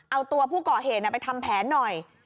เอาตัวผู้ก่อเหตุไปทำแผนหน่อย